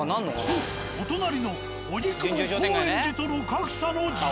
そうお隣の荻窪・高円寺との格差の自虐。